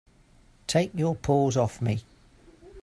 Take your paws off me!